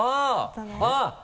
あっ！